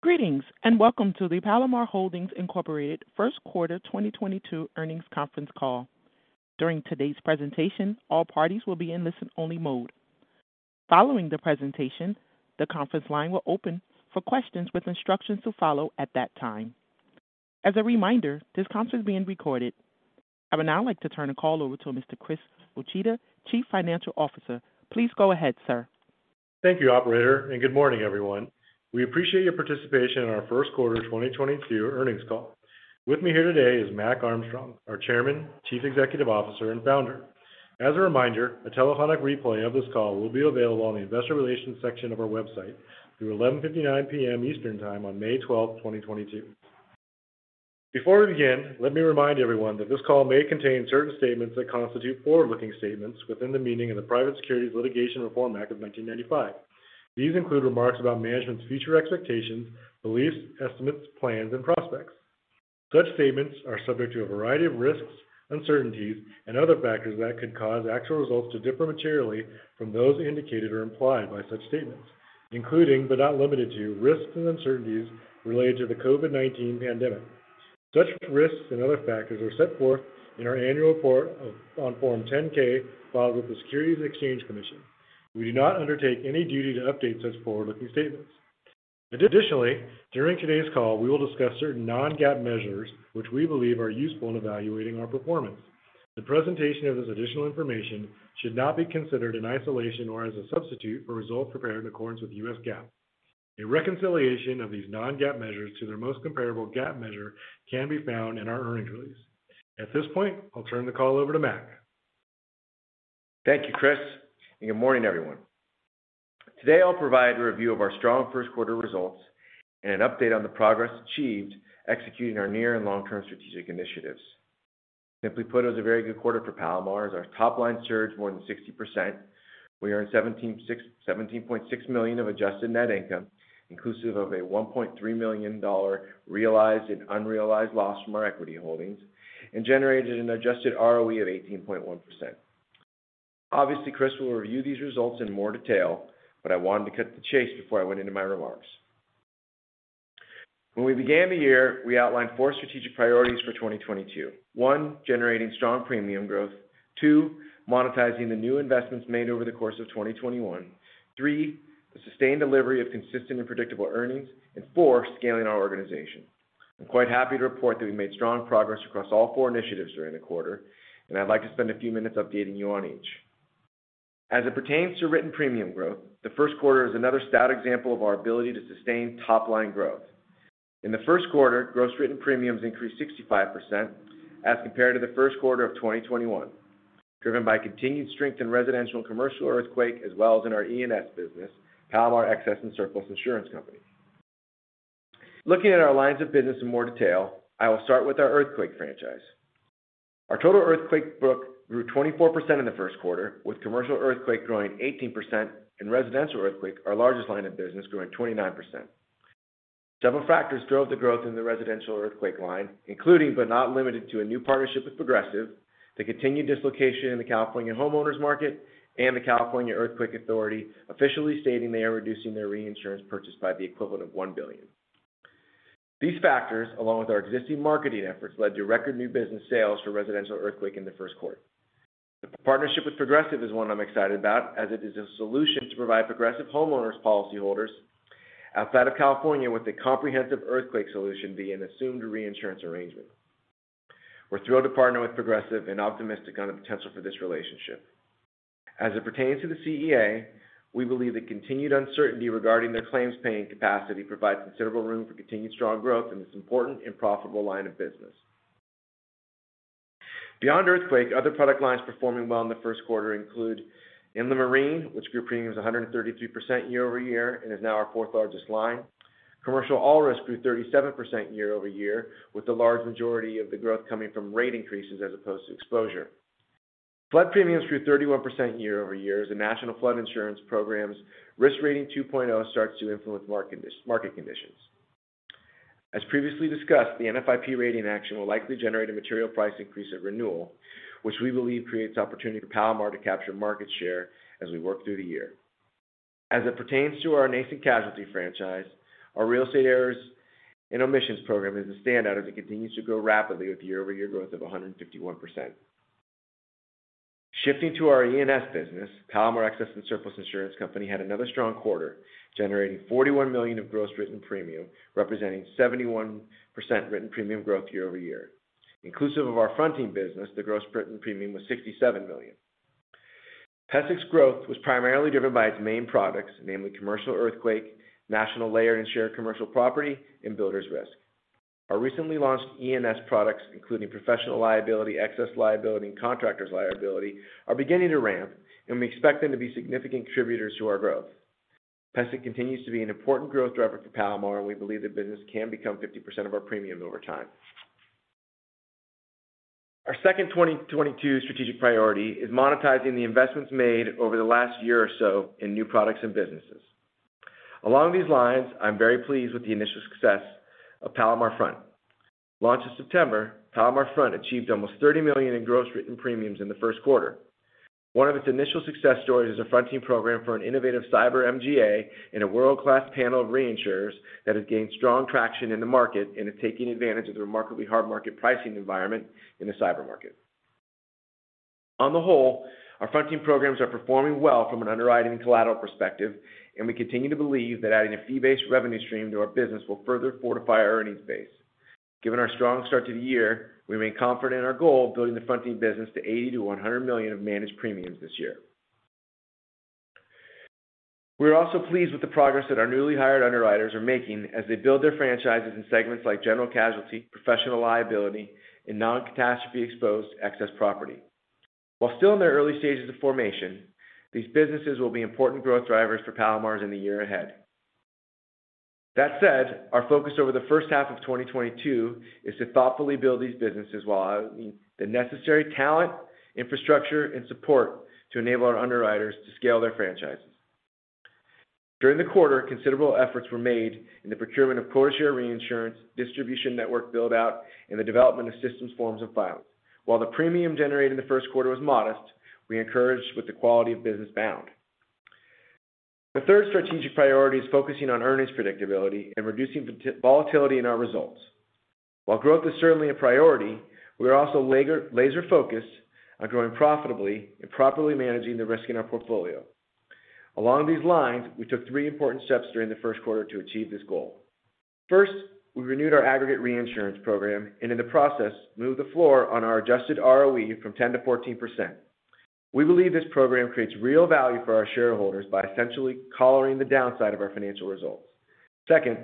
Greetings, and welcome to the Palomar Holdings, Inc. First Quarter 2022 Earnings Conference Call. During today's presentation, all parties will be in listen-only mode. Following the presentation, the conference line will open for questions with instructions to follow at that time. As a reminder, this conference is being recorded. I would now like to turn the call over to Mr. Chris Uchida, Chief Financial Officer. Please go ahead, sir. Thank you, operator, and good morning, everyone. We appreciate your participation in our first quarter 2022 earnings call. With me here today is Mac Armstrong, our Chairman, Chief Executive Officer, and Founder. As a reminder, a telephonic replay of this call will be available on the investor relations section of our website through 11:59 P.M. Eastern time on May 12, 2022. Before we begin, let me remind everyone that this call may contain certain statements that constitute forward-looking statements within the meaning of the Private Securities Litigation Reform Act of 1995. These include remarks about management's future expectations, beliefs, estimates, plans, and prospects. Such statements are subject to a variety of risks, uncertainties, and other factors that could cause actual results to differ materially from those indicated or implied by such statements, including but not limited to risks and uncertainties related to the COVID-19 pandemic. Such risks and other factors are set forth in our annual report on Form 10-K filed with the Securities and Exchange Commission. We do not undertake any duty to update such forward-looking statements. Additionally, during today's call, we will discuss certain non-GAAP measures which we believe are useful in evaluating our performance. The presentation of this additional information should not be considered in isolation or as a substitute for results prepared in accordance with US GAAP. A reconciliation of these non-GAAP measures to their most comparable GAAP measure can be found in our earnings release. At this point, I'll turn the call over to Mac. Thank you, Chris, and good morning, everyone. Today, I'll provide a review of our strong first quarter results and an update on the progress achieved executing our near and long-term strategic initiatives. Simply put, it was a very good quarter for Palomar as our top line surged more than 60%. We earned $17.6 million of adjusted net income, inclusive of a $1.3 million realized and unrealized loss from our equity holdings, and generated an adjusted ROE of 18.1%. Obviously, Chris will review these results in more detail, but I wanted to cut to the chase before I went into my remarks. When we began the year, we outlined four strategic priorities for 2022. One, generating strong premium growth. Two, monetizing the new investments made over the course of 2021. Three, the sustained delivery of consistent and predictable earnings. Four, scaling our organization. I'm quite happy to report that we've made strong progress across all four initiatives during the quarter, and I'd like to spend a few minutes updating you on each. As it pertains to written premium growth, the first quarter is another stout example of our ability to sustain top-line growth. In the first quarter, gross written premiums increased 65% as compared to the first quarter of 2021, driven by continued strength in residential and commercial earthquake, as well as in our E&S business, Palomar Excess and Surplus Insurance Company. Looking at our lines of business in more detail, I will start with our earthquake franchise. Our total earthquake book grew 24% in the first quarter, with commercial earthquake growing 18% and residential earthquake, our largest line of business, growing 29%. Several factors drove the growth in the residential earthquake line, including but not limited to a new partnership with Progressive, the continued dislocation in the California homeowners market, and the California Earthquake Authority officially stating they are reducing their reinsurance purchase by the equivalent of $1 billion. These factors, along with our existing marketing efforts, led to record new business sales for residential earthquake in the first quarter. The partnership with Progressive is one I'm excited about as it is a solution to provide Progressive homeowners policyholders outside of California with a comprehensive earthquake solution via an assumed reinsurance arrangement. We're thrilled to partner with Progressive and optimistic on the potential for this relationship. As it pertains to the CEA, we believe the continued uncertainty regarding their claims-paying capacity provides considerable room for continued strong growth in this important and profitable line of business. Beyond earthquake, other product lines performing well in the first quarter include inland marine, which grew premiums 133% year-over-year and is now our fourth-largest line. Commercial all-risk grew 37% year-over-year, with the large majority of the growth coming from rate increases as opposed to exposure. Flood premiums grew 31% year-over-year as the National Flood Insurance Program's Risk Rating 2.0 starts to influence market conditions. As previously discussed, the NFIP rating action will likely generate a material price increase at renewal, which we believe creates opportunity for Palomar to capture market share as we work through the year. As it pertains to our nascent casualty franchise, our real estate errors and omissions program is a standout as it continues to grow rapidly with year-over-year growth of 151%. Shifting to our E&S business, Palomar Excess and Surplus Insurance Company had another strong quarter, generating $41 million of gross written premium, representing 71% written premium growth year-over-year. Inclusive of our fronting business, the gross written premium was $67 million. PSIC's growth was primarily driven by its main products, namely commercial earthquake, national layered and shared commercial property, and builders risk. Our recently launched E&S products, including professional liability, excess liability, and contractors liability, are beginning to ramp, and we expect them to be significant contributors to our growth. PSIC continues to be an important growth driver for Palomar, and we believe the business can become 50% of our premiums over time. Our second 2022 strategic priority is monetizing the investments made over the last year or so in new products and businesses. Along these lines, I'm very pleased with the initial success of Palomar Front. Launched in September, Palomar Front achieved almost $30 million in gross written premiums in the first quarter. One of its initial success stories is a fronting program for an innovative cyber MGA and a world-class panel of reinsurers that has gained strong traction in the market and is taking advantage of the remarkably hard market pricing environment in the cyber market. On the whole, our fronting programs are performing well from an underwriting collateral perspective, and we continue to believe that adding a fee-based revenue stream to our business will further fortify our earnings base. Given our strong start to the year, we remain confident in our goal of building the fronting business to $80 million-$100 million of managed premiums this year. We're also pleased with the progress that our newly hired underwriters are making as they build their franchises in segments like general casualty, professional liability, and non-catastrophe-exposed excess property. While still in their early stages of formation, these businesses will be important growth drivers for Palomar in the year ahead. That said, our focus over the first half of 2022 is to thoughtfully build these businesses while having the necessary talent, infrastructure, and support to enable our underwriters to scale their franchises. During the quarter, considerable efforts were made in the procurement of quota share reinsurance, distribution network build-out, and the development of systems, forms, and filings. While the premium generated in the first quarter was modest, we're encouraged with the quality of business bound. The third strategic priority is focusing on earnings predictability and reducing volatility in our results. While growth is certainly a priority, we are also laser-focused on growing profitably and properly managing the risk in our portfolio. Along these lines, we took three important steps during the first quarter to achieve this goal. First, we renewed our aggregate reinsurance program, and in the process, moved the floor on our adjusted ROE from 10%-14%. We believe this program creates real value for our shareholders by essentially collaring the downside of our financial results. Second,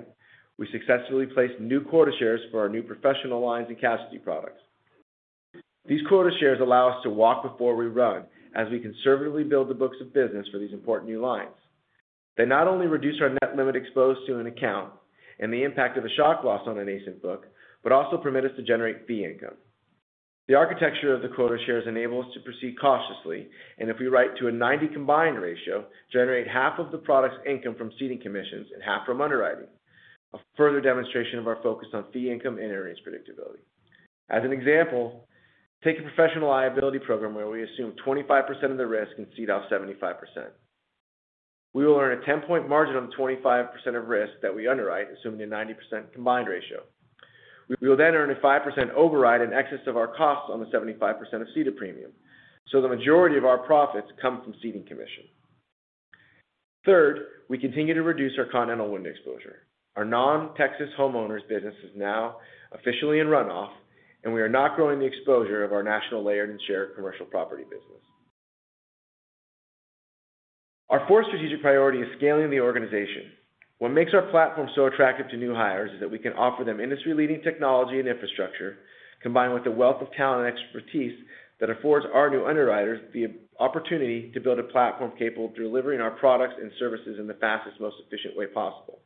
we successfully placed new quota shares for our new professional lines and casualty products. These quota shares allow us to walk before we run, as we conservatively build the books of business for these important new lines. They not only reduce our net limit exposed to an account and the impact of a shock loss on a nascent book, but also permit us to generate fee income. The architecture of the quota shares enable us to proceed cautiously, and if we write to a 90 combined ratio, generate half of the product's income from ceding commissions and half from underwriting, a further demonstration of our focus on fee income and earnings predictability. As an example, take a professional liability program where we assume 25% of the risk and cede out 75%. We will earn a 10-point margin on the 25% of risk that we underwrite, assuming a 90% combined ratio. We will then earn a 5% override in excess of our costs on the 75% of ceded premium, so the majority of our profits come from ceding commission. Third, we continue to reduce our continental wind exposure. Our non-Texas homeowners business is now officially in runoff, and we are not growing the exposure of our national layered and shared commercial property business. Our fourth strategic priority is scaling the organization. What makes our platform so attractive to new hires is that we can offer them industry-leading technology and infrastructure, combined with a wealth of talent and expertise that affords our new underwriters the opportunity to build a platform capable of delivering our products and services in the fastest, most efficient way possible.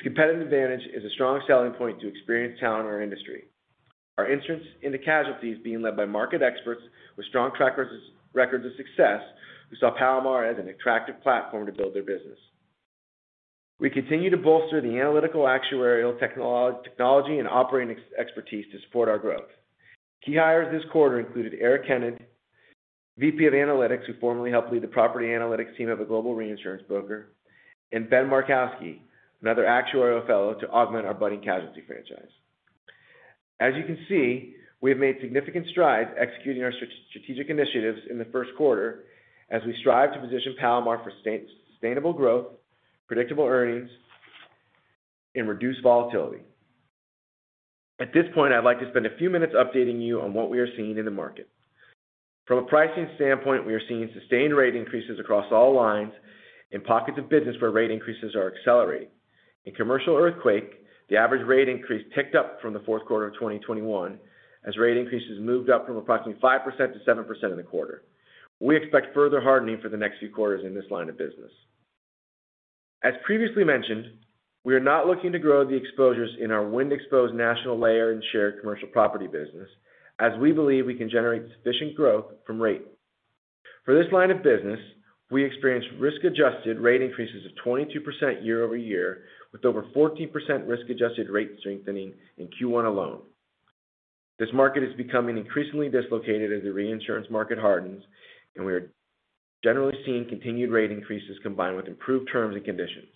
Competitive advantage is a strong selling point to experienced talent in our industry. Our entry into casualty being led by market experts with strong track records of success who saw Palomar as an attractive platform to build their business. We continue to bolster the analytical actuarial technology and operating expertise to support our growth. Key hires this quarter included Eric Hennen, VP of Analytics, who formerly helped lead the property analytics team of a global reinsurance broker, and Ben Markowski, another actuarial fellow, to augment our budding casualty franchise. As you can see, we have made significant strides executing our strategic initiatives in the first quarter as we strive to position Palomar for sustainable growth, predictable earnings, and reduced volatility. At this point, I'd like to spend a few minutes updating you on what we are seeing in the market. From a pricing standpoint, we are seeing sustained rate increases across all lines and pockets of business where rate increases are accelerating. In commercial earthquake, the average rate increase ticked up from the fourth quarter of 2021 as rate increases moved up from approximately 5% to 7% in the quarter. We expect further hardening for the next few quarters in this line of business. As previously mentioned, we are not looking to grow the exposures in our wind-exposed national layer and shared commercial property business as we believe we can generate sufficient growth from rate. For this line of business, we experienced risk-adjusted rate increases of 22% year-over-year, with over 14% risk-adjusted rate strengthening in Q1 alone. This market is becoming increasingly dislocated as the reinsurance market hardens, and we are generally seeing continued rate increases combined with improved terms and conditions.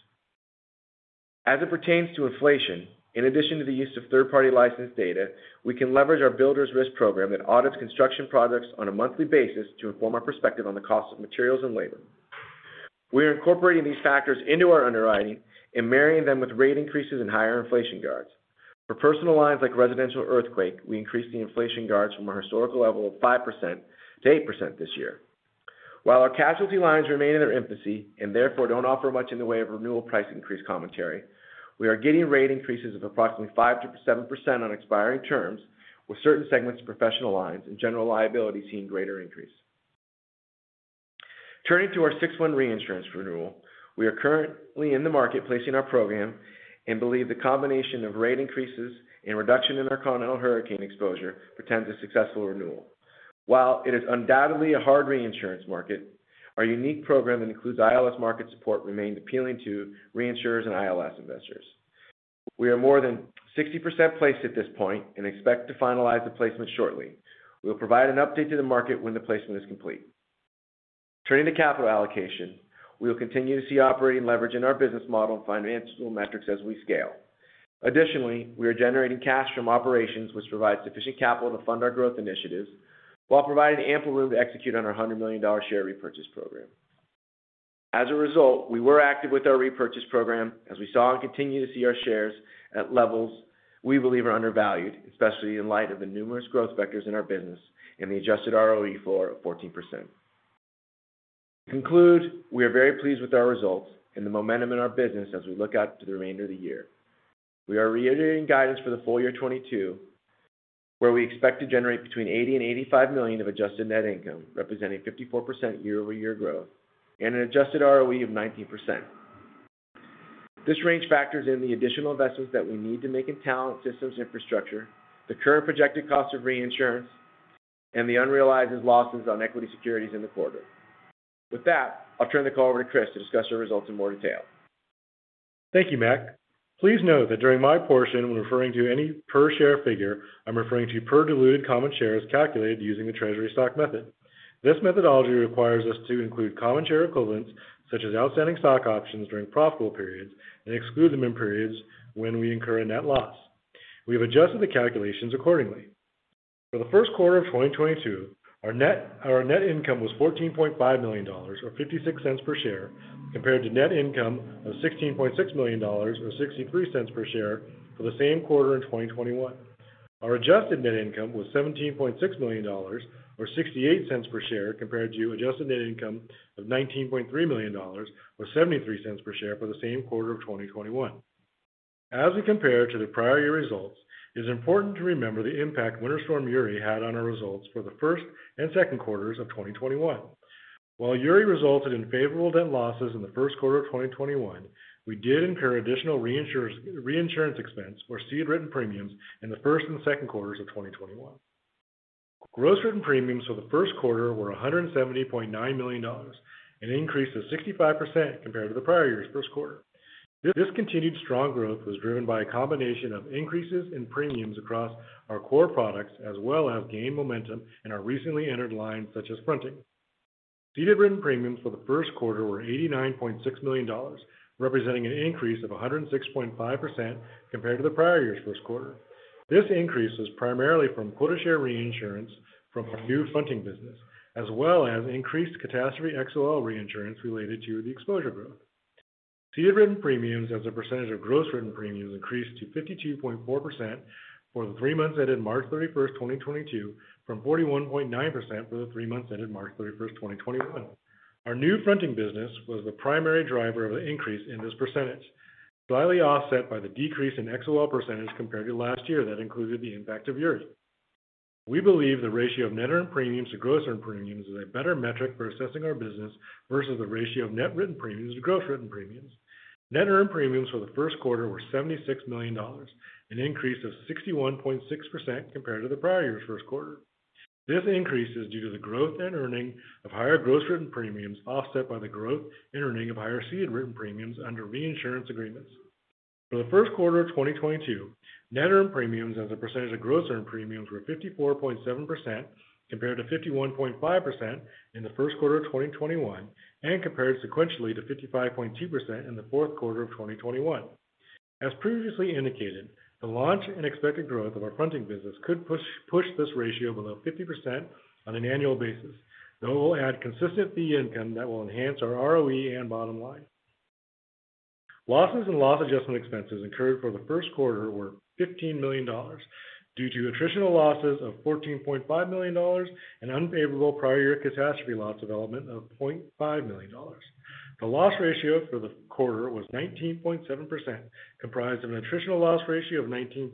As it pertains to inflation, in addition to the use of third-party licensed data, we can leverage our builder's risk program that audits construction projects on a monthly basis to inform our perspective on the cost of materials and labor. We are incorporating these factors into our underwriting and marrying them with rate increases and higher inflation guards. For personal lines like residential earthquake, we increased the inflation guards from our historical level of 5% to 8% this year. While our casualty lines remain in their infancy and therefore don't offer much in the way of renewal price increase commentary, we are getting rate increases of approximately 5%-7% on expiring terms, with certain segments of professional lines and general liability seeing greater increase. Turning to our 6/1 reinsurance renewal, we are currently in the market placing our program and believe the combination of rate increases and reduction in our continental hurricane exposure portends a successful renewal. While it is undoubtedly a hard reinsurance market, our unique program includes ILS market support remained appealing to reinsurers and ILS investors. We are more than 60% placed at this point and expect to finalize the placement shortly. We will provide an update to the market when the placement is complete. Turning to capital allocation. We will continue to see operating leverage in our business model and financial metrics as we scale. Additionally, we are generating cash from operations which provide sufficient capital to fund our growth initiatives while providing ample room to execute on our $100 million share repurchase program. As a result, we were active with our repurchase program as we saw and continue to see our shares at levels we believe are undervalued, especially in light of the numerous growth vectors in our business and the adjusted ROE for 14%. To conclude, we are very pleased with our results and the momentum in our business as we look out to the remainder of the year. We are reiterating guidance for the full year 2022, where we expect to generate between $80 million and $85 million of adjusted net income, representing 54% year-over-year growth, and an adjusted ROE of 19%. This range factors in the additional investments that we need to make in talent systems infrastructure, the current projected cost of reinsurance, and the unrealized losses on equity securities in the quarter. With that, I'll turn the call over to Chris to discuss our results in more detail. Thank you, Mac. Please note that during my portion, when referring to any per share figure, I'm referring to per diluted common shares calculated using the treasury stock method. This methodology requires us to include common share equivalents, such as outstanding stock options during profitable periods, and exclude them in periods when we incur a net loss. We have adjusted the calculations accordingly. For the first quarter of 2022, our net income was $14.5 million or $0.56 per share, compared to net income of $16.6 million or $0.63 per share for the same quarter in 2021. Our adjusted net income was $17.6 million or $0.68 per share, compared to adjusted net income of $19.3 million or $0.73 per share for the same quarter of 2021. As we compare to the prior year results, it is important to remember the impact Winter Storm Uri had on our results for the first and second quarters of 2021. While Uri resulted in favorable event losses in the first quarter of 2021, we did incur additional reinsurance expense for ceded written premiums in the first and second quarters of 2021. Gross written premiums for the first quarter were $170.9 million, an increase of 65% compared to the prior year's first quarter. This continued strong growth was driven by a combination of increases in premiums across our core products as well as gaining momentum in our recently entered lines such as fronting. Ceded written premiums for the first quarter were $89.6 million, representing an increase of 106.5% compared to the prior year's first quarter. This increase is primarily from quota share reinsurance from our new fronting business, as well as increased catastrophe XOL reinsurance related to the exposure growth. Ceded written premiums as a percentage of gross written premiums increased to 52.4% for the three months ended March 31, 2022, from 41.9% for the three months ended March 31, 2021. Our new fronting business was the primary driver of the increase in this percentage, slightly offset by the decrease in XOL percentage compared to last year that included the impact of Uri. We believe the ratio of net earned premiums to gross earned premiums is a better metric for assessing our business versus the ratio of net written premiums to gross written premiums. Net earned premiums for the first quarter were $76 million, an increase of 61.6% compared to the prior year's first quarter. This increase is due to the growth and earning of higher gross written premiums, offset by the growth and earning of higher ceded written premiums under reinsurance agreements. For the first quarter of 2022, net earned premiums as a percentage of gross earned premiums were 54.7% compared to 51.5% in the first quarter of 2021, and compared sequentially to 55.2% in the fourth quarter of 2021. As previously indicated, the launch and expected growth of our fronting business could push this ratio below 50% on an annual basis, though it will add consistent fee income that will enhance our ROE and bottom line. Losses and loss adjustment expenses incurred for the first quarter were $15 million due to attritional losses of $14.5 million and unfavorable prior year catastrophe loss development of $0.5 million. The loss ratio for the quarter was 19.7%, comprised of an attritional loss ratio of 19.1%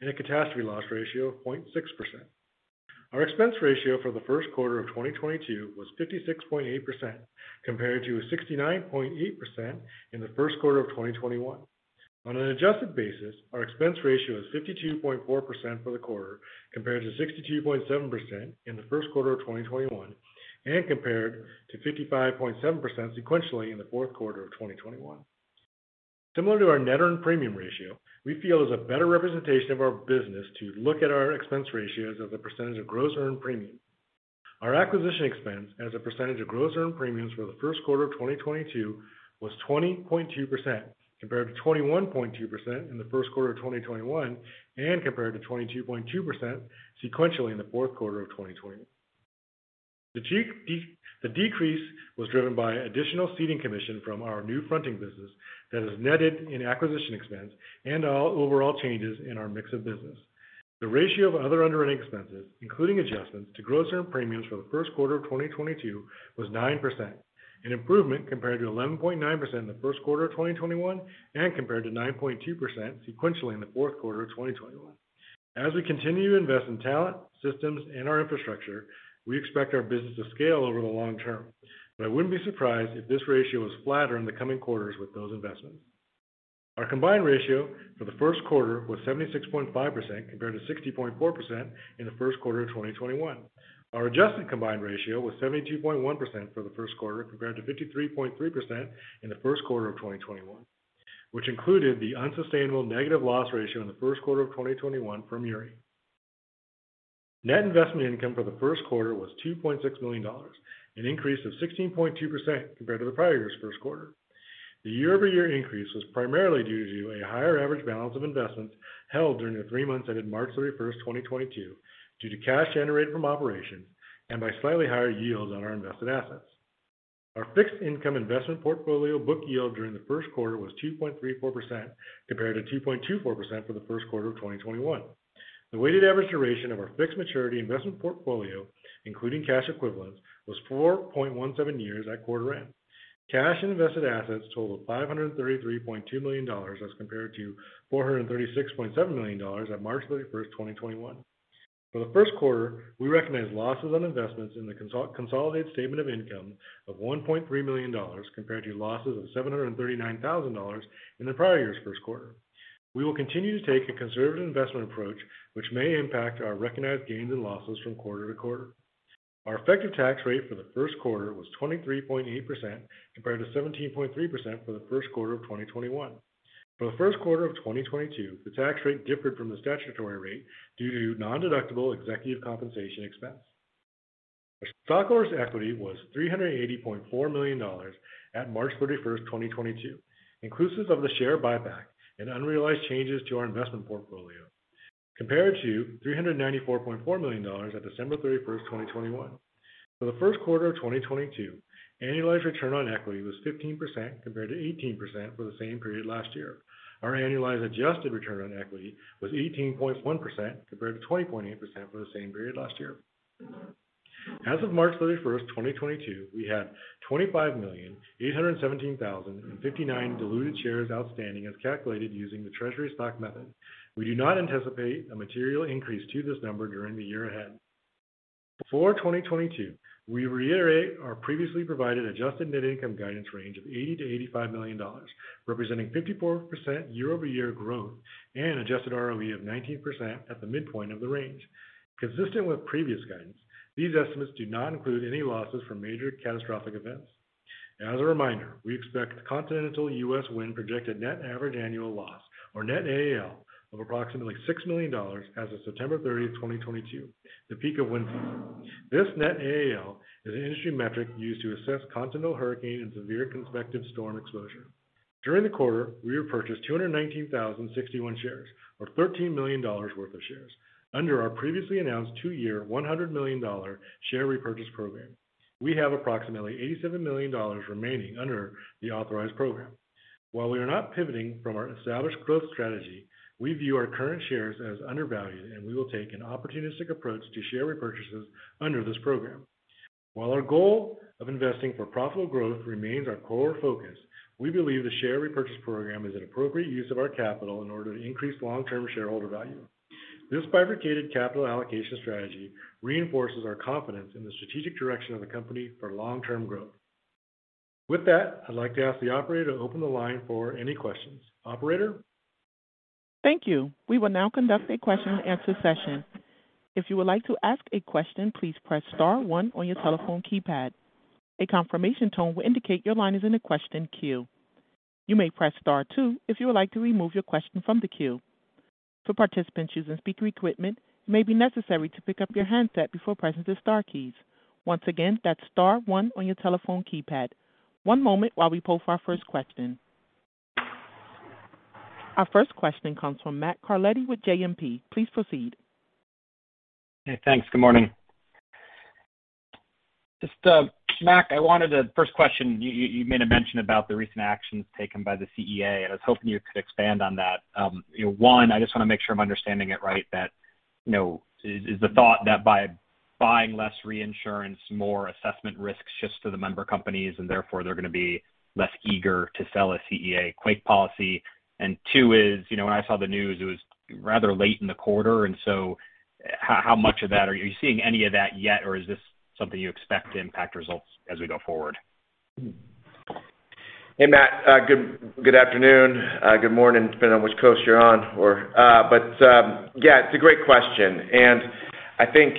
and a catastrophe loss ratio of 0.6%. Our expense ratio for the first quarter of 2022 was 56.8% compared to 69.8% in the first quarter of 2021. On an adjusted basis, our expense ratio is 52.4% for the quarter, compared to 62.7% in the first quarter of 2021, and compared to 55.7% sequentially in the fourth quarter of 2021. Similar to our net earned premium ratio, we feel is a better representation of our business to look at our expense ratios as a percentage of gross earned premium. Our acquisition expense as a percentage of gross earned premiums for the first quarter of 2022 was 20.2%, compared to 21.2% in the first quarter of 2021, and compared to 22.2% sequentially in the fourth quarter of 2020. The decrease was driven by additional ceding commission from our new fronting business that is netted in acquisition expense and our overall changes in our mix of business. The ratio of other underwriting expenses, including adjustments to gross earned premiums for the first quarter of 2022 was 9%, an improvement compared to 11.9% in the first quarter of 2021 and compared to 9.2% sequentially in the fourth quarter of 2021. As we continue to invest in talent, systems, and our infrastructure, we expect our business to scale over the long term. I wouldn't be surprised if this ratio was flatter in the coming quarters with those investments. Our combined ratio for the first quarter was 76.5% compared to 60.4% in the first quarter of 2021. Our adjusted combined ratio was 72.1% for the first quarter compared to 53.3% in the first quarter of 2021, which included the unsustainable negative loss ratio in the first quarter of 2021 from Uri. Net investment income for the first quarter was $2.6 million, an increase of 16.2% compared to the prior year's first quarter. The year-over-year increase was primarily due to a higher average balance of investments held during the three months ended March 31, 2022 due to cash generated from operations and by slightly higher yields on our invested assets. Our fixed income investment portfolio book yield during the first quarter was 2.34% compared to 2.24% for the first quarter of 2021. The weighted average duration of our fixed maturity investment portfolio, including cash equivalents, was 4.17 years at quarter end. Cash and invested assets totaled $533.2 million as compared to $436.7 million at March 31, 2021. For the first quarter, we recognized losses on investments in the consolidated statement of income of $1.3 million compared to losses of $739,000 in the prior year's first quarter. We will continue to take a conservative investment approach, which may impact our recognized gains and losses from quarter to quarter. Our effective tax rate for the first quarter was 23.8% compared to 17.3% for the first quarter of 2021. For the first quarter of 2022, the tax rate differed from the statutory rate due to nondeductible executive compensation expense. Stockholders' equity was $380.4 million at March 31, 2022, inclusive of the share buyback and unrealized changes to our investment portfolio, compared to $394.4 million at December 31, 2021. For the first quarter of 2022, annualized return on equity was 15% compared to 18% for the same period last year. Our annualized adjusted return on equity was 18.1% compared to 20.8% for the same period last year. As of March 31, 2022, we had 25,817,059 diluted shares outstanding as calculated using the treasury stock method. We do not anticipate a material increase to this number during the year ahead. For 2022, we reiterate our previously provided adjusted net income guidance range of $80 million-$85 million, representing 54% year-over-year growth and adjusted ROE of 19% at the midpoint of the range. Consistent with previous guidance, these estimates do not include any losses from major catastrophic events. As a reminder, we expect continental U.S. wind projected net average annual loss or net AAL of approximately $6 million as of September 30, 2022, the peak of wind season. This net AAL is an industry metric used to assess continental hurricane and severe convective storm exposure. During the quarter, we repurchased 219,061 shares, or $13 million worth of shares, under our previously announced two-year, $100 million share repurchase program. We have approximately $87 million remaining under the authorized program. While we are not pivoting from our established growth strategy, we view our current shares as undervalued, and we will take an opportunistic approach to share repurchases under this program. While our goal of investing for profitable growth remains our core focus, we believe the share repurchase program is an appropriate use of our capital in order to increase long-term shareholder value. This bifurcated capital allocation strategy reinforces our confidence in the strategic direction of the company for long-term growth. With that, I'd like to ask the operator to open the line for any questions. Operator? Thank you. We will now conduct a question and answer session. If you would like to ask a question, please press star one on your telephone keypad. A confirmation tone will indicate your line is in the question queue. You may press star two if you would like to remove your question from the queue. For participants using speaker equipment, it may be necessary to pick up your handset before pressing the star keys. Once again, that's star one on your telephone keypad. One moment while we poll for our first question. Our first question comes from Matt Carletti with JMP. Please proceed. Hey, thanks. Good morning. Just, Mac, I wanted to. First question, you made a mention about the recent actions taken by the CEA, and I was hoping you could expand on that. You know, one, I just want to make sure I'm understanding it right that, you know, is the thought that by buying less reinsurance, more assessment risks shifts to the member companies, and therefore they're going to be less eager to sell a CEA quake policy. Two is, you know, when I saw the news, it was rather late in the quarter, and so how much of that are you seeing any of that yet? Or is this something you expect to impact results as we go forward? Hey, Matt. Good afternoon. Good morning, depending on which coast you're on. Yeah, it's a great question. I think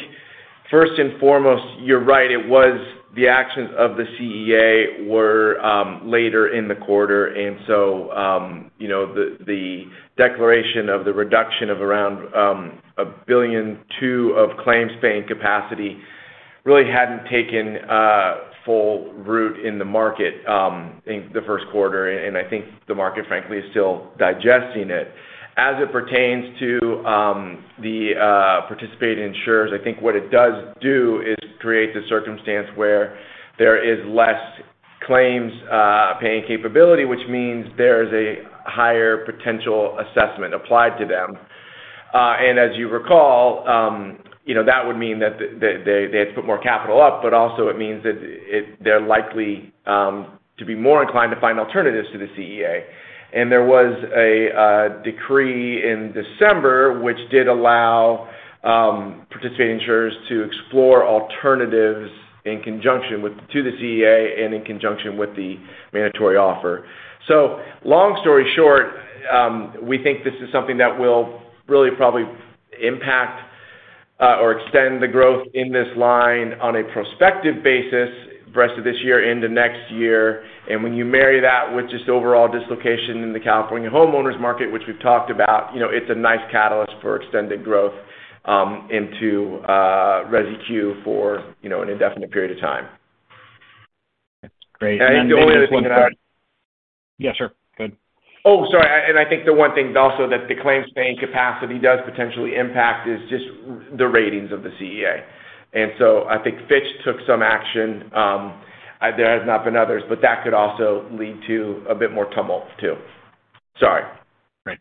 first and foremost, you're right, it was the actions of the CEA were later in the quarter. You know, the declaration of the reduction of around $1.2 billion of claims-paying capacity really hadn't taken full root in the market in the first quarter, and I think the market frankly is still digesting it. As it pertains to the participating insurers, I think what it does do is create the circumstance where there is less claims paying capability, which means there is a higher potential assessment applied to them. As you recall, you know, that would mean that they had to put more capital up, but also it means that they're likely to be more inclined to find alternatives to the CEA. There was a decree in December which did allow Participating insurers to explore alternatives in conjunction with the CEA and in conjunction with the mandatory offer. Long story short, we think this is something that will really probably impact or extend the growth in this line on a prospective basis, rest of this year into next year. When you marry that with just overall dislocation in the California homeowners market, which we've talked about, you know, it's a nice catalyst for extended growth into Resi Q4, you know, an indefinite period of time. Great. The only other thing that. Yes, sir. Go ahead. Oh, sorry. I think the one thing also that the claim paying capacity does potentially impact is just the ratings of the CEA. I think Fitch took some action, there has not been others, but that could also lead to a bit more tumult too. Sorry. Great.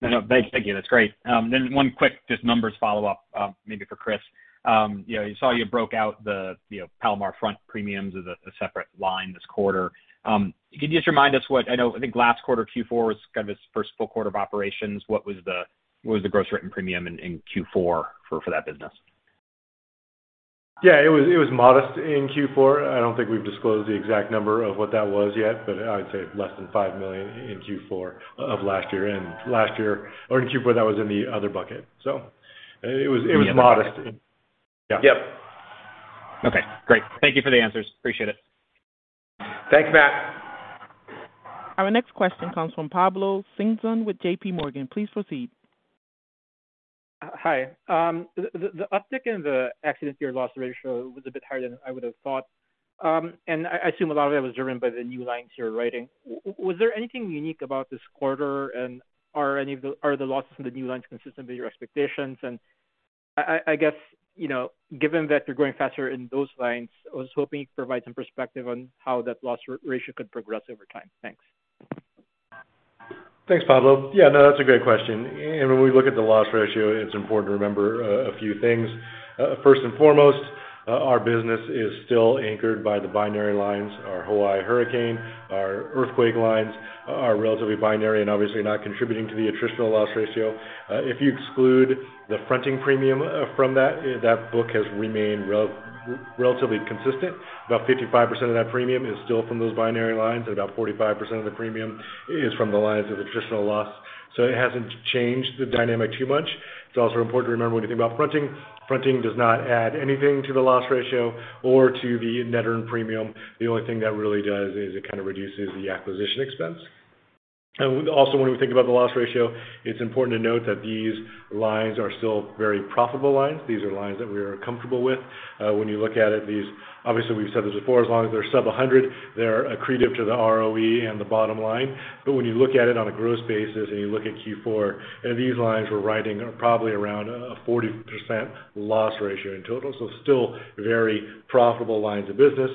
No, no. Thank you. That's great. One quick just numbers follow-up, maybe for Chris. You know, you saw you broke out the, you know, Palomar fronting premiums as a separate line this quarter. Can you just remind us what I know I think last quarter, Q4, was kind of its first full quarter of operations. What was the gross written premium in Q4 for that business? Yeah, it was modest in Q4. I don't think we've disclosed the exact number of what that was yet, but I would say less than $5 million in Q4 of last year. Last year or in Q4, that was in the other bucket. It was modest. In the other bucket. Yeah. Yep. Okay, great. Thank you for the answers. Appreciate it. Thanks, Matt. Our next question comes from Pablo Singzon with JPMorgan. Please proceed. Hi. The uptick in the accident year loss ratio was a bit higher than I would've thought. I assume a lot of that was driven by the new lines you're writing. Was there anything unique about this quarter? Are the losses from the new lines consistent with your expectations? I guess, you know, given that you're growing faster in those lines, I was hoping you could provide some perspective on how that loss ratio could progress over time. Thanks. Thanks, Pablo. Yeah, no, that's a great question. When we look at the loss ratio, it's important to remember a few things. First and foremost, our business is still anchored by the binary lines. Our Hawaii Hurricane, our earthquake lines are relatively binary and obviously not contributing to the attritional loss ratio. If you exclude the fronting premium from that book has remained relatively consistent. About 55% of that premium is still from those binary lines, and about 45% of the premium is from the lines of attritional loss. It hasn't changed the dynamic too much. It's also important to remember when you think about fronting does not add anything to the loss ratio or to the net earned premium. The only thing that really does is it kind of reduces the acquisition expense. Also when we think about the loss ratio, it's important to note that these lines are still very profitable lines. These are lines that we are comfortable with. When you look at it, these obviously, we've said this before, as long as they're sub 100, they're accretive to the ROE and the bottom line. When you look at it on a gross basis and you look at Q4, these lines we're writing are probably around a 40% loss ratio in total. Still very profitable lines of business.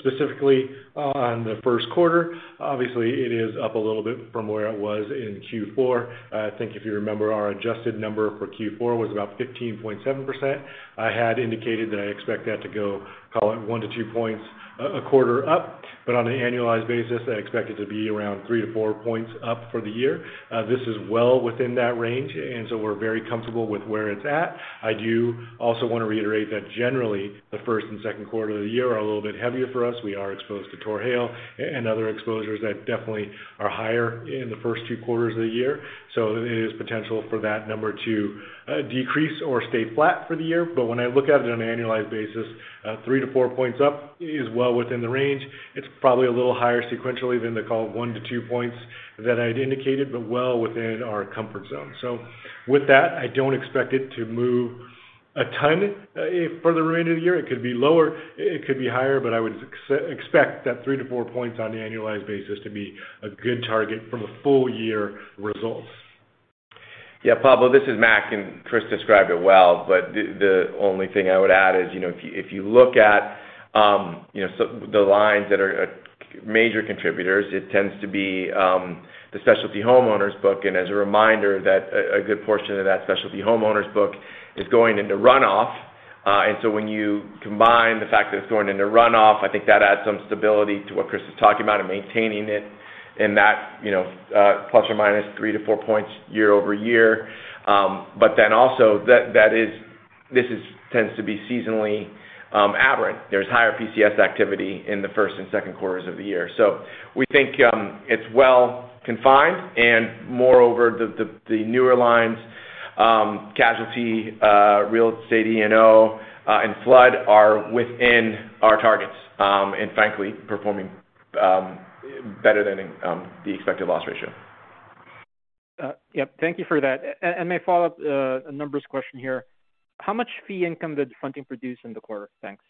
Specifically on the first quarter, obviously it is up a little bit from where it was in Q4. I think if you remember, our adjusted number for Q4 was about 15.7%. I had indicated that I expect that to go, call it 1-2 points a quarter up, but on an annualized basis, I expect it to be around 3-4 points up for the year. This is well within that range, and we're very comfortable with where it's at. I do also wanna reiterate that generally, the first and second quarter of the year are a little bit heavier for us. We are exposed to tornado hail and other exposures that definitely are higher in the first two quarters of the year. There is potential for that number to decrease or stay flat for the year. When I look at it on an annualized basis, 3-4 points up is well within the range. It's probably a little higher sequentially than the call 1-2 points that I'd indicated, but well within our comfort zone. With that, I don't expect it to move a ton for the remainder of the year. It could be lower, it could be higher, but I would expect that 3-4 points on the annualized basis to be a good target from a full year results. Yeah, Pablo, this is Mac, and Chris described it well, but the only thing I would add is, you know, if you look at, you know, so the lines that are major contributors, it tends to be the specialty homeowners book. As a reminder that a good portion of that specialty homeowners book is going into runoff. When you combine the fact that it's going into runoff, I think that adds some stability to what Chris is talking about in maintaining it in that, you know, ±3-4 points year-over-year. But then also, that is, this tends to be seasonally aberrant. There's higher PCS activity in the first and second quarters of the year. We think it's well confined, and moreover, the newer lines, casualty, real estate E&O, and flood are within our targets, and frankly, performing better than the expected loss ratio. Yep. Thank you for that. My follow-up numbers question here. How much fee income did fronting produce in the quarter? Thanks.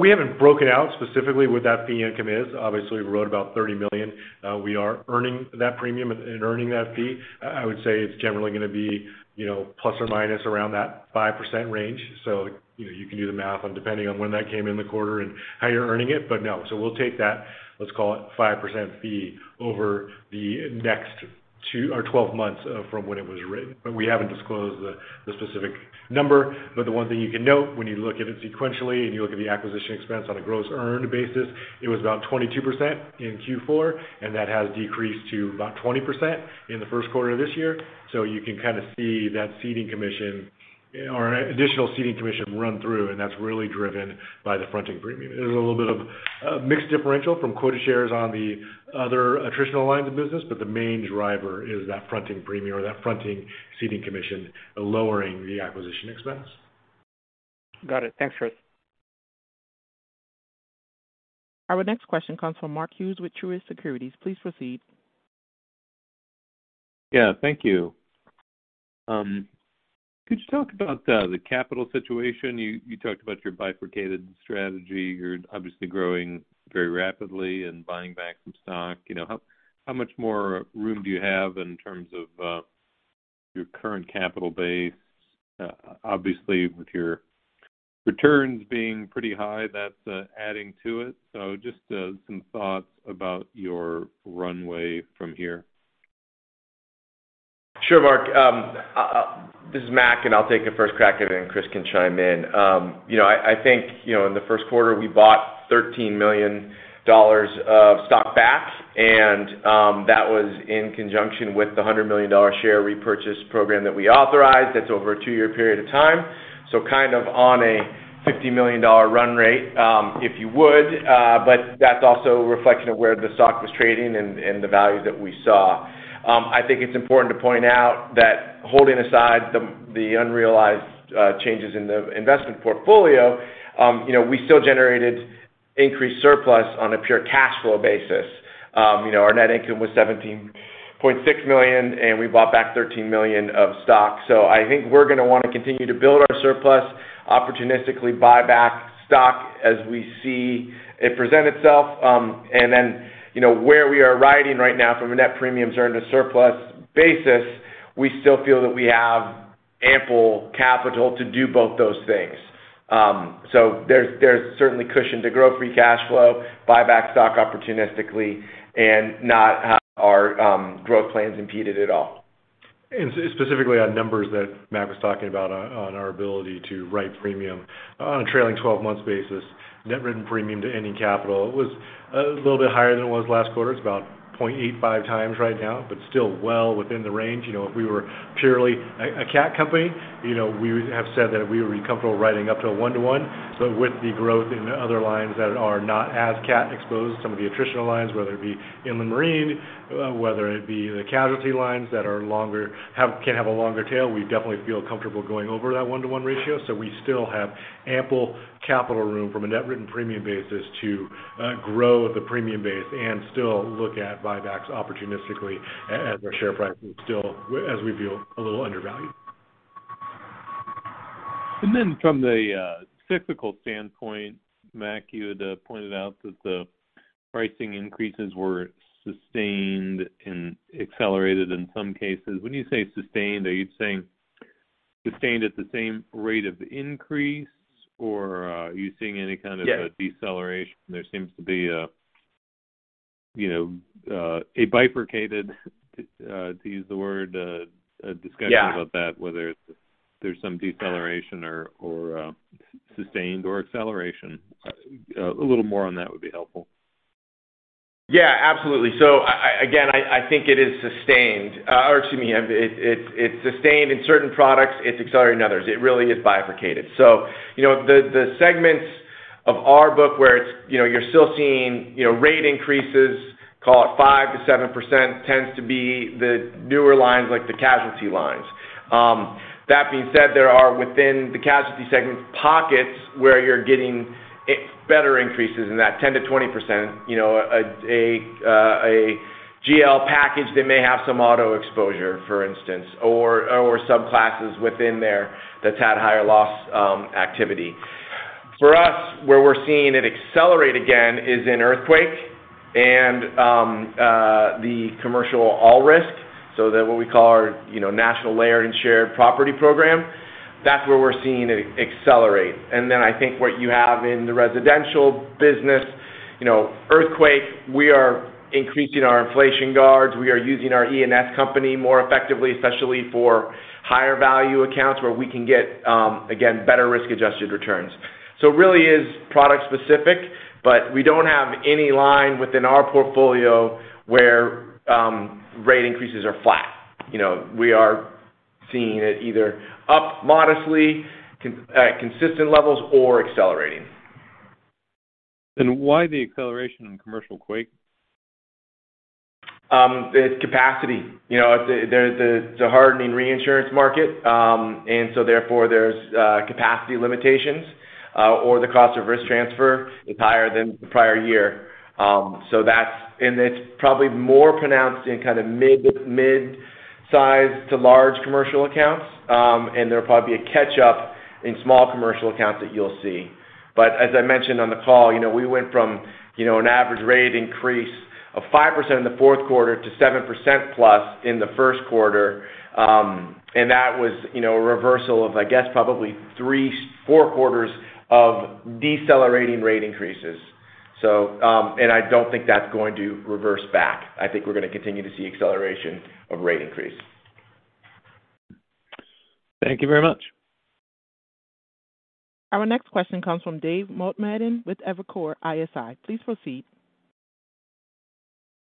We haven't broken out specifically what that fee income is. Obviously, we wrote about $30 million. We are earning that premium and earning that fee. I would say it's generally gonna be, you know, ±5% range. You know, you can do the math on depending on when that came in the quarter and how you're earning it. We'll take that, let's call it 5% fee over the next two or 12 months, from when it was written. We haven't disclosed the specific number. The one thing you can note when you look at it sequentially and you look at the acquisition expense on a gross earned basis, it was about 22% in Q4, and that has decreased to about 20% in the first quarter of this year. You can kind of see that ceding commission or an additional ceding commission run through, and that's really driven by the fronting premium. There's a little bit of mixed differential from quota shares on the other attritional lines of business, but the main driver is that fronting premium or that fronting ceding commission lowering the acquisition expense. Got it. Thanks, Chris. Our next question comes from Mark Hughes with Truist Securities. Please proceed. Yeah, thank you. Could you talk about the capital situation? You talked about your bifurcated strategy. You're obviously growing very rapidly and buying back some stock. You know, how much more room do you have in terms of your current capital base? Obviously with your returns being pretty high, that's adding to it. Just some thoughts about your runway from here. Sure, Mark. This is Mac, and I'll take the first crack at it, and Chris can chime in. You know, I think, you know, in the first quarter we bought $13 million of stock back, and that was in conjunction with the $100 million share repurchase program that we authorized. That's over a two-year period of time. Kind of on a $50 million run rate, if you would. That's also a reflection of where the stock was trading and the value that we saw. I think it's important to point out that holding aside the unrealized changes in the investment portfolio, you know, we still generated increased surplus on a pure cash flow basis. You know, our net income was $17.6 million, and we bought back $13 million of stock. I think we're gonna wanna continue to build our surplus, opportunistically buy back stock as we see it present itself. You know, where we are written right now from a net premiums earned a surplus basis, we still feel that we have ample capital to do both those things. There's certainly cushion to grow free cash flow, buy back stock opportunistically and not have our growth plans impeded at all. Specifically on numbers that Mac was talking about on our ability to write premium. On a trailing twelve months basis, net written premium to ending capital was a little bit higher than it was last quarter. It's about 0.85x right now, but still well within the range. You know, if we were purely a cat company, you know, we would have said that we would be comfortable writing up to a 1-to-1. With the growth in the other lines that are not as cat exposed, some of the attritional lines, whether it be in the marine, whether it be the casualty lines that can have a longer tail, we definitely feel comfortable going over that 1-to-1 ratio. We still have ample capital room from a net written premium basis to grow the premium base and still look at buybacks opportunistically as our share price is still, as we view, a little undervalued. From the cyclical standpoint, Mac, you had pointed out that the pricing increases were sustained and accelerated in some cases. When you say sustained, are you saying sustained at the same rate of increase or are you seeing any kind of? Yes... deceleration? There seems to be a, you know, a bifurcated, to use the word, a discussion- Yeah about that, whether it's there's some deceleration or sustained or acceleration. A little more on that would be helpful. Yeah, absolutely. Again, I think it is sustained. It's sustained in certain products, it's accelerated in others. It really is bifurcated. You know, the segments of our book where it's you know, you're still seeing you know, rate increases, call it 5%-7% tends to be the newer lines, like the casualty lines. That being said, there are within the casualty segment, pockets where you're getting better increases in that 10%-20%, you know, a GL package that may have some auto exposure, for instance, or subclasses within there that's had higher loss activity. For us, where we're seeing it accelerate again is in earthquake and the commercial all risk. They're what we call our you know, national layer and share property program. That's where we're seeing it accelerate. Then I think what you have in the residential business, you know, earthquake, we are increasing our inflation guards. We are using our E&S company more effectively, especially for higher value accounts where we can get, again, better risk adjusted returns. It really is product specific, but we don't have any line within our portfolio where, rate increases are flat. You know, we are seeing it either up modestly at consistent levels or accelerating. Why the acceleration in commercial quake? It's capacity. You know, the hardening reinsurance market, and so therefore, there's capacity limitations, or the cost of risk transfer is higher than the prior year. That's it. It's probably more pronounced in kind of mid-size to large commercial accounts. There'll probably be a catch up in small commercial accounts that you'll see. As I mentioned on the call, you know, we went from, you know, an average rate increase of 5% in the fourth quarter to +7% in the first quarter. That was, you know, a reversal of, I guess, probably 3 or 4 quarters of decelerating rate increases. I don't think that's going to reverse back. I think we're gonna continue to see acceleration of rate increase. Thank you very much. Our next question comes from David Motemaden with Evercore ISI. Please proceed.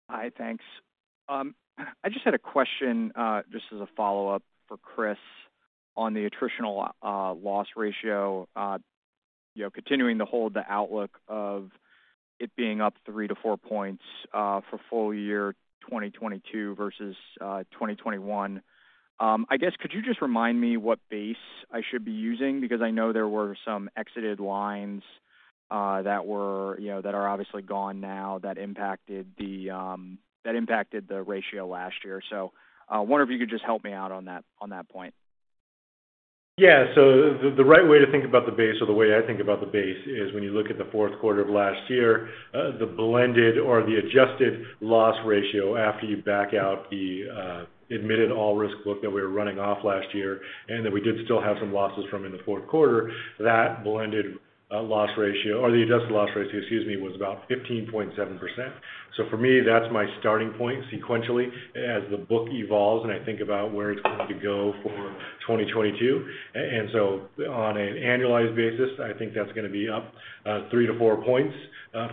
Hi, thanks. I just had a question, just as a follow-up for Chris on the attritional loss ratio, you know, continuing to hold the outlook of it being up 3-4 points for full year 2022 versus 2021. I guess could you just remind me what base I should be using? Because I know there were some exited lines that were, you know, that are obviously gone now that impacted the ratio last year. Wonder if you could just help me out on that point. Yeah. The right way to think about the base or the way I think about the base is when you look at the fourth quarter of last year, the blended or the adjusted loss ratio after you back out the admitted all risk book that we were running off last year, and that we did still have some losses from in the fourth quarter, that blended loss ratio or the adjusted loss ratio, excuse me, was about 15.7%. For me, that's my starting point sequentially as the book evolves, and I think about where it's going to go for 2022. On an annualized basis, I think that's gonna be up 3-4 points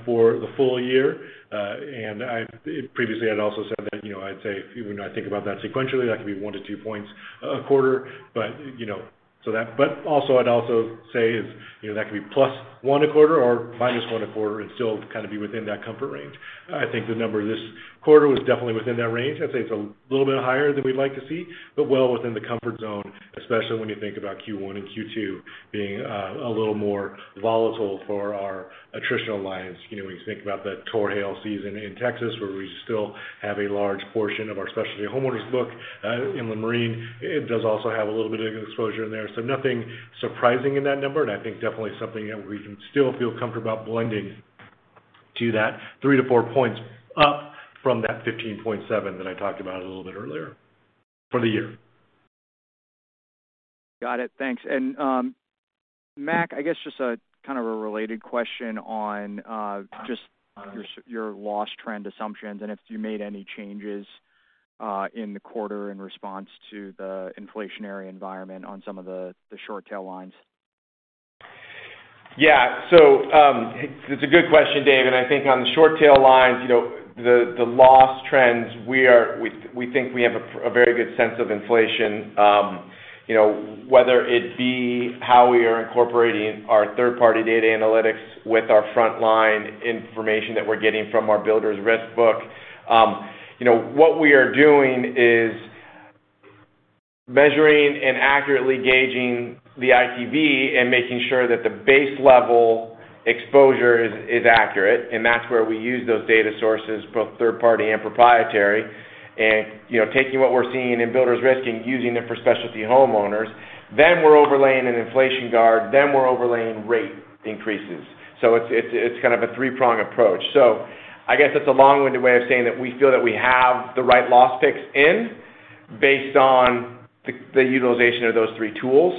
for the full year. Previously, I'd also said that, you know, I'd say, you know, I think about that sequentially, that could be 1%-2% a quarter. But also, I'd also say is, you know, that could be +1% a quarter or -1% a quarter and still kind of be within that comfort range. I think the number this quarter was definitely within that range. I'd say it's a little bit higher than we'd like to see, but well within the comfort zone, especially when you think about Q1 and Q2 being a little more volatile for our attritional lines. You know, when you think about the tornado/hail season in Texas, where we still have a large portion of our specialty homeowners book, in the inland marine, it does also have a little bit of exposure in there. Nothing surprising in that number, and I think definitely something that we can still feel comfortable blending to that 3-4 points up from that 15.7 that I talked about a little bit earlier for the year. Got it. Thanks. Mac, I guess just a kind of a related question on just your loss trend assumptions, and if you made any changes in the quarter in response to the inflationary environment on some of the short tail lines. Yeah, it's a good question, Dave. I think on the short tail lines, you know, the loss trends, we think we have a very good sense of inflation, you know, whether it be how we are incorporating our third-party data analytics with our frontline information that we're getting from our builder's risk book. You know, what we are doing is measuring and accurately gauging the ITV and making sure that the base level exposure is accurate, and that's where we use those data sources, both third-party and proprietary. You know, taking what we're seeing in builders risk using it for specialty homeowners, then we're overlaying an inflation guard, then we're overlaying rate increases. It's kind of a three-prong approach. I guess that's a long-winded way of saying that we feel that we have the right loss picks in based on the utilization of those three tools.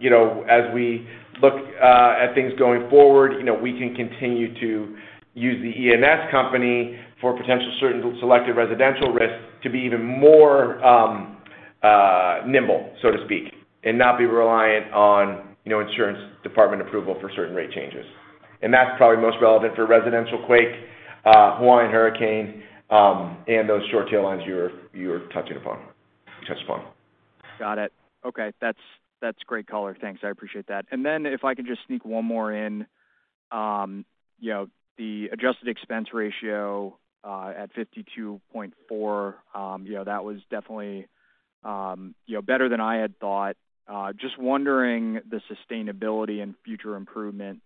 You know, as we look at things going forward, you know, we can continue to use the E&S company for potential certain selected residential risks to be even more nimble, so to speak, and not be reliant on, you know, insurance department approval for certain rate changes. That's probably most relevant for residential quake, Hawaii Hurricane, and those short tail lines you were touching upon. Got it. Okay. That's great color. Thanks. I appreciate that. If I could just sneak one more in, you know, the adjusted expense ratio at 52.4%, you know, that was definitely better than I had thought. Just wondering the sustainability and future improvement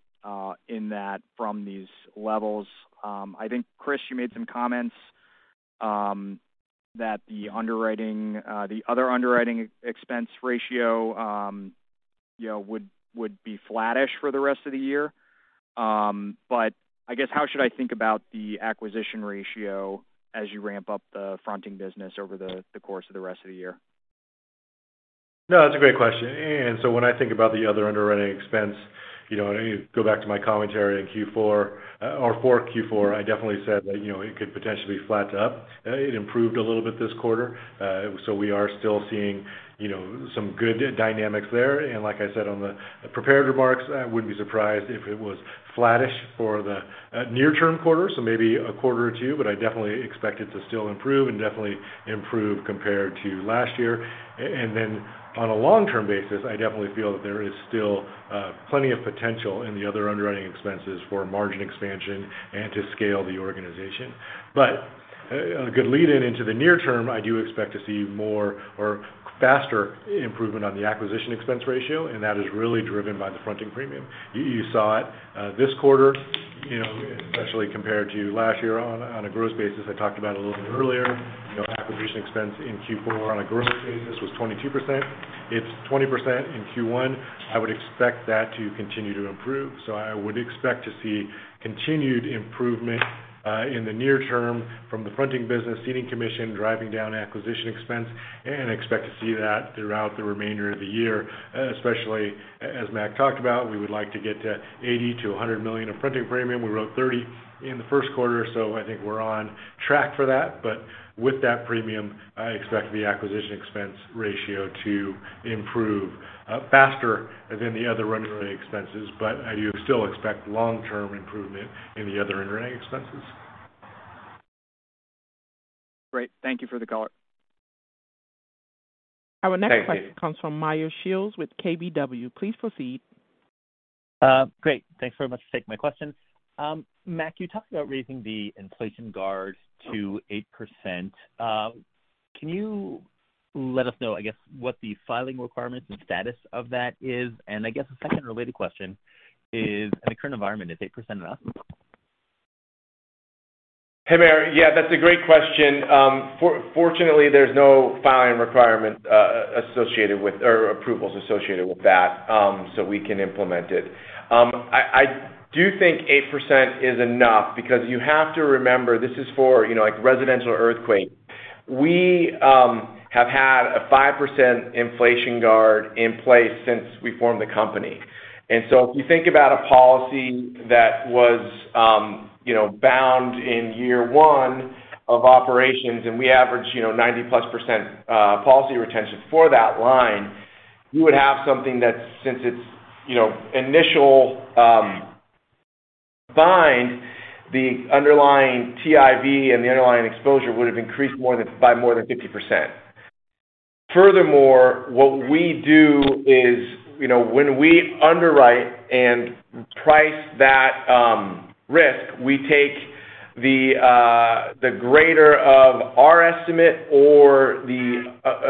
in that from these levels. I think, Chris, you made some comments that the underwriting, the other underwriting expense ratio, you know, would be flattish for the rest of the year. But I guess how should I think about the acquisition ratio as you ramp up the fronting business over the course of the rest of the year? No, that's a great question. When I think about the other underwriting expense, you know, and you go back to my commentary in Q4 or for Q4, I definitely said that, you know, it could potentially flat to up. It improved a little bit this quarter. We are still seeing, you know, some good dynamics there. Like I said on the prepared remarks, I wouldn't be surprised if it was flattish for the near term quarter, so maybe a quarter or two, but I definitely expect it to still improve and definitely improve compared to last year. Then on a long-term basis, I definitely feel that there is still plenty of potential in the other underwriting expenses for margin expansion and to scale the organization. A good lead-in into the near term, I do expect to see more or faster improvement on the acquisition expense ratio, and that is really driven by the fronting premium. You saw it this quarter, you know, especially compared to last year on a gross basis. I talked about a little bit earlier, you know, acquisition expense in Q4 on a gross basis was 22%. It's 20% in Q1. I would expect that to continue to improve. I would expect to see continued improvement in the near term from the fronting business, ceding commission, driving down acquisition expense, and expect to see that throughout the remainder of the year, especially as Mack talked about, we would like to get to $80 million-$100 million of fronting premium. We wrote $30 in the first quarter, so I think we're on track for that. With that premium, I expect the acquisition expense ratio to improve faster than the other underwriting expenses. I do still expect long-term improvement in the other underwriting expenses. Great. Thank you for the color. Thank you. Our next question comes from Meyer Shields with KBW. Please proceed. Great. Thanks very much for taking my questions. Mack, you talked about raising the inflation guard to 8%. Can you let us know, I guess, what the filing requirements and status of that is. I guess the second related question is, in the current environment, is 8% enough? Hey, Meyer. Yeah, that's a great question. Fortunately, there's no filing requirement associated with or approvals associated with that, so we can implement it. I do think 8% is enough because you have to remember this is for, you know, like residential earthquake. We have had a 5% inflation guard in place since we formed the company. If you think about a policy that was, you know, bound in year one of operations, and we average, you know, +90% policy retention for that line, you would have something that since it's, you know, initial bind the underlying TIV and the underlying exposure would have increased more than by more than 50%. Furthermore, what we do is, you know, when we underwrite and price that risk, we take the greater of our estimate or the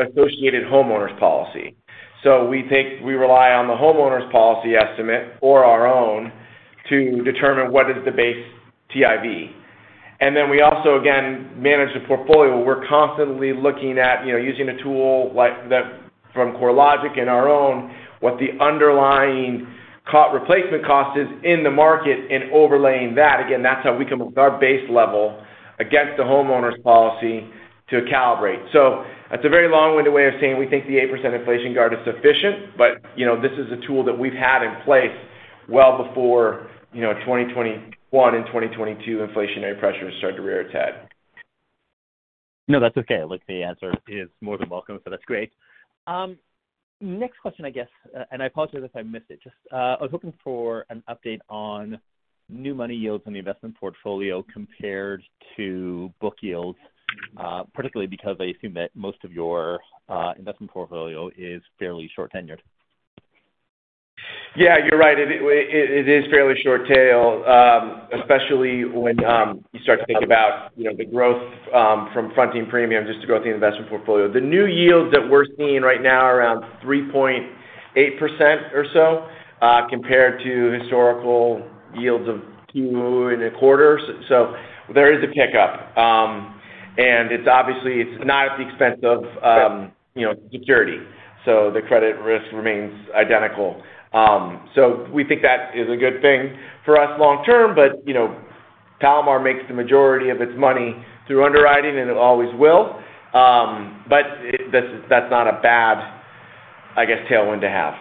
associated homeowners policy. We rely on the homeowner's policy estimate or our own to determine what is the base TIV. Then we also manage the portfolio. We're constantly looking at, you know, using a tool like that from CoreLogic and our own, what the underlying core replacement cost is in the market and overlaying that. Again, that's how we come up with our base level against the homeowner's policy to calibrate. That's a very long-winded way of saying we think the 8% inflation guard is sufficient, but, you know, this is a tool that we've had in place well before, you know, 2021 and 2022 inflationary pressures started to rear its head. No, that's okay. Look, the answer is more than welcome, so that's great. Next question, I guess, and I apologize if I missed it. Just, I was hoping for an update on new money yields on the investment portfolio compared to book yields, particularly because I assume that most of your investment portfolio is fairly short tenured. Yeah, you're right. It is fairly short tail, especially when you start to think about, you know, the growth from fronting premium just to grow the investment portfolio. The new yields that we're seeing right now are around 3.8% or so, compared to historical yields of 2.25%. There is a kick-up. It's obviously not at the expense of, you know, security, so the credit risk remains identical. We think that is a good thing for us long term. Palomar makes the majority of its money through underwriting, and it always will. That's not a bad, I guess, tailwind to have.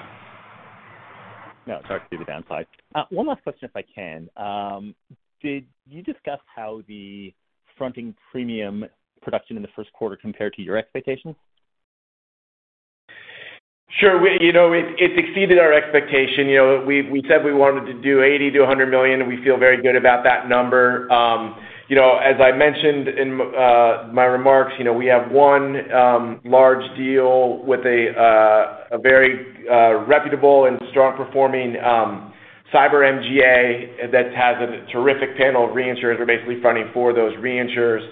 No, it's hard to do the downside. One last question, if I can. Did you discuss how the fronting premium production in the first quarter compared to your expectations? Sure. You know, it exceeded our expectation. You know, we said we wanted to do $80 million-$100 million, and we feel very good about that number. You know, as I mentioned in my remarks, you know, we have one large deal with a very reputable and strong performing cyber MGA that has a terrific panel of reinsurers. We're basically fronting for those reinsurers.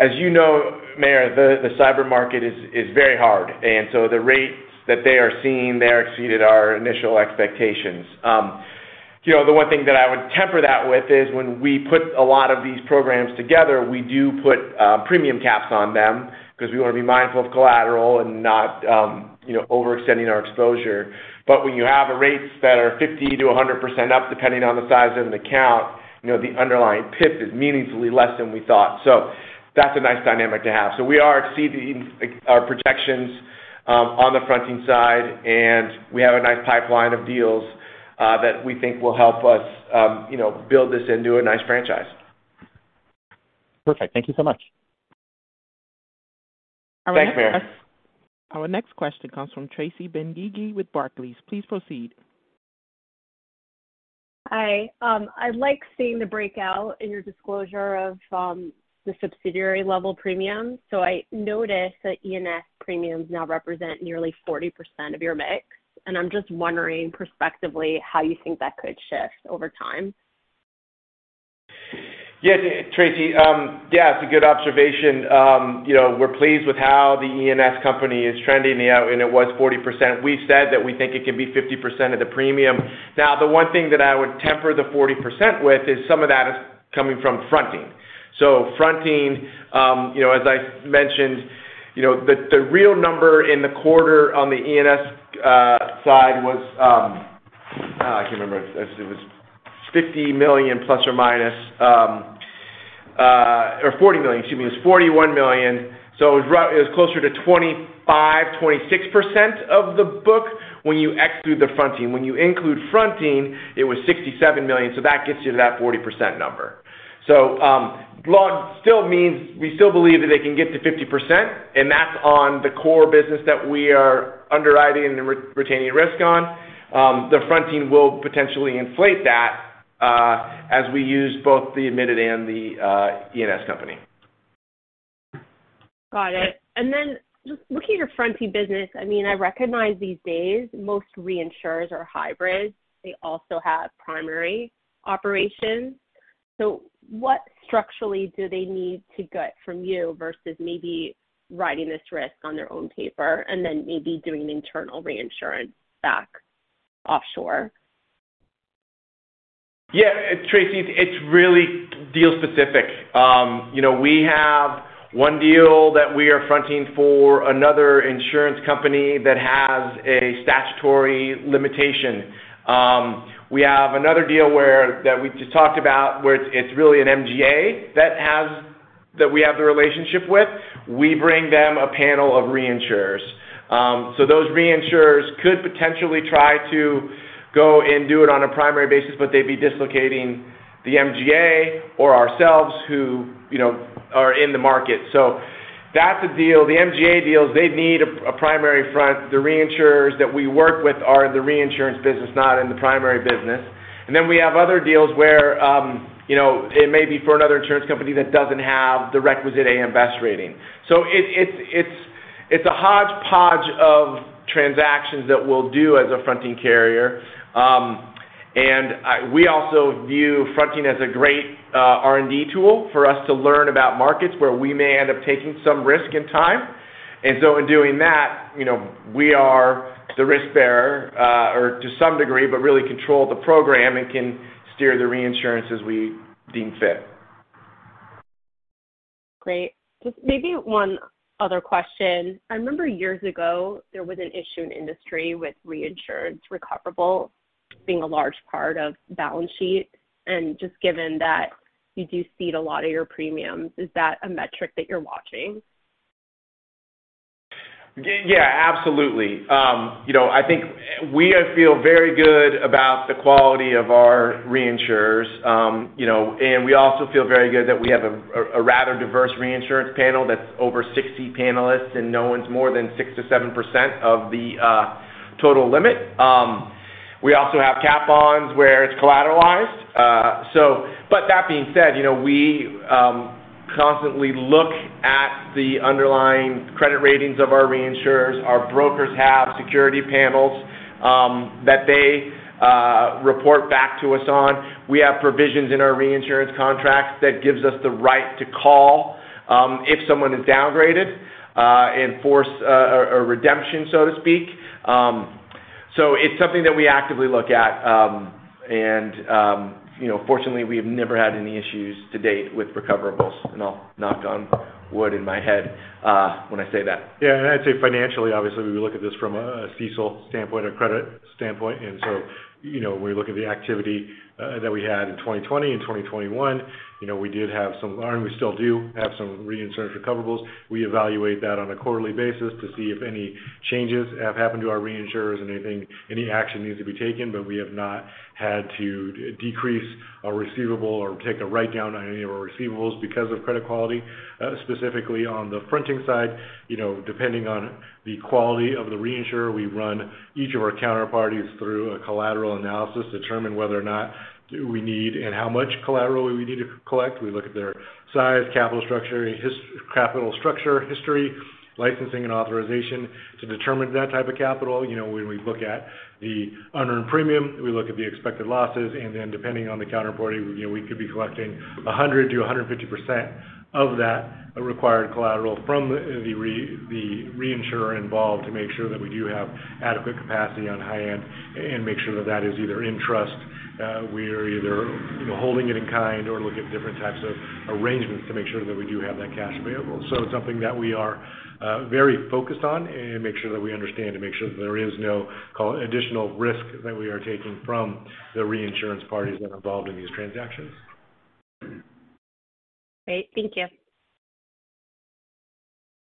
As you know, Meyer, the cyber market is very hard. The rates that they are seeing there exceeded our initial expectations. You know, the one thing that I would temper that with is when we put a lot of these programs together, we do put premium caps on them because we want to be mindful of collateral and not overextending our exposure. when you have rates that are 50%-100% up, depending on the size of the account, you know, the underlying PIF is meaningfully less than we thought. That's a nice dynamic to have. We are exceeding our projections on the fronting side, and we have a nice pipeline of deals that we think will help us, you know, build this into a nice franchise. Perfect. Thank you so much. Thanks, Meyer. Our next question comes from Tracy Benguigui with Barclays. Please proceed. Hi. I like seeing the breakout in your disclosure of the subsidiary level premium. I noticed that E&S premiums now represent nearly 40% of your mix, and I'm just wondering prospectively how you think that could shift over time. Yeah, Tracy. Yeah, it's a good observation. You know, we're pleased with how the E&S company is trending, you know, and it was 40%. We've said that we think it can be 50% of the premium. Now, the one thing that I would temper the 40% with is some of that is coming from fronting. Fronting, you know, as I mentioned, you know, the real number in the quarter on the E&S side was. I can't remember. It was $50 million plus or minus, or $40 million. Excuse me, it was $41 million. It was closer to 25, 26% of the book when you exclude the fronting. When you include fronting, it was $67 million. That gets you to that 40% number. Long still means we still believe that they can get to 50%, and that's on the core business that we are underwriting and retaining risk on. The fronting will potentially inflate that, as we use both the admitted and the E&S company. Got it. Just looking at your fronting business, I mean, I recognize these days most reinsurers are hybrid. They also have primary operations. So what structurally do they need to get from you versus maybe riding this risk on their own paper and then maybe doing internal reinsurance back offshore? Yeah, Tracy, it's really deal specific. You know, we have one deal that we are fronting for another insurance company that has a statutory limitation. We have another deal that we just talked about, where it's really an MGA that we have the relationship with. We bring them a panel of reinsurers. So those reinsurers could potentially try to go and do it on a primary basis, but they'd be dislocating the MGA or ourselves who, you know, are in the market. So that's a deal. The MGA deals, they need a primary front. The reinsurers that we work with are in the reinsurance business, not in the primary business. Then we have other deals where, you know, it may be for another insurance company that doesn't have the requisite AM Best rating. It's a hodgepodge of transactions that we'll do as a fronting carrier. We also view fronting as a great R&D tool for us to learn about markets where we may end up taking some risk and time. In doing that, you know, we are the risk bearer or to some degree, but really control the program and can steer the reinsurance as we deem fit. Great. Just maybe one other question. I remember years ago there was an issue in the industry with reinsurance recoverable being a large part of balance sheet. Just given that you do cede a lot of your premiums, is that a metric that you're watching? Yeah, absolutely. You know, I think we feel very good about the quality of our reinsurers. You know, we also feel very good that we have a rather diverse reinsurance panel that's over 60 panelists, and no one's more than 6%-7% of the total limit. We also have cat bonds where it's collateralized. But that being said, you know, we constantly look at the underlying credit ratings of our reinsurers. Our brokers have security panels that they report back to us on. We have provisions in our reinsurance contracts that gives us the right to call if someone is downgraded and force a redemption, so to speak. It's something that we actively look at. You know, fortunately, we have never had any issues to date with recoverables. I'll knock on wood in my head when I say that. Yeah, I'd say financially, obviously, we look at this from a CECL standpoint or credit standpoint. You know, when we look at the activity that we had in 2020 and 2021, you know, we did have some and we still do have some reinsurance recoverables. We evaluate that on a quarterly basis to see if any changes have happened to our reinsurers and anything, any action needs to be taken. We have not had to decrease our receivable or take a write-down on any of our receivables because of credit quality. Specifically on the fronting side, you know, depending on the quality of the reinsurer, we run each of our counterparties through a collateral analysis to determine whether or not do we need and how much collateral we need to collect. We look at their size, capital structure, its capital structure history, licensing, and authorization to determine that type of capital. You know, when we look at the unearned premium, we look at the expected losses, and then depending on the counterparty, you know, we could be collecting 100% to 150% of that required collateral from the reinsurer involved to make sure that we do have adequate capacity on the high end and make sure that that is either in trust, we are either, you know, holding it in kind or look at different types of arrangements to make sure that we do have that cash available. It's something that we are very focused on and make sure that we understand and make sure that there is no additional risk that we are taking from the reinsurance parties that are involved in these transactions. Great. Thank you.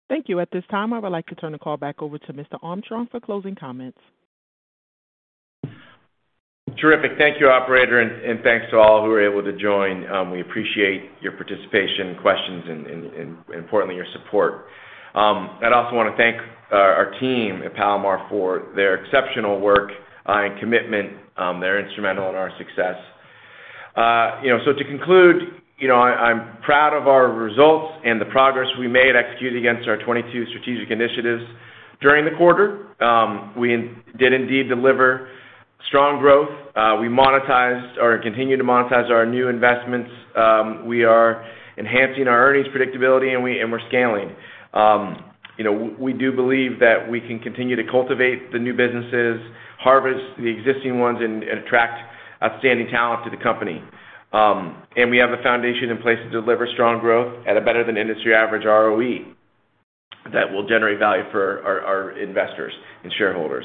Thank you. At this time, I would like to turn the call back over to Mr. Armstrong for closing comments. Terrific. Thank you, operator, and thanks to all who were able to join. We appreciate your participation, questions and importantly, your support. I'd also want to thank our team at Palomar for their exceptional work and commitment. They're instrumental in our success. You know, to conclude, you know, I'm proud of our results and the progress we made executing against our 22 strategic initiatives during the quarter. We did indeed deliver strong growth. We monetized or continued to monetize our new investments. We are enhancing our earnings predictability, and we're scaling. You know, we do believe that we can continue to cultivate the new businesses, harvest the existing ones, and attract outstanding talent to the company. We have a foundation in place to deliver strong growth at a better than industry average ROE that will generate value for our investors and shareholders.